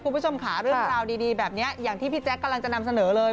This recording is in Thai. คุณผู้ชมค่ะเรื่องราวดีแบบนี้อย่างที่พี่แจ๊คกำลังจะนำเสนอเลย